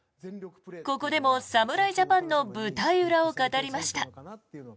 ここでも侍ジャパンの舞台裏を語りました。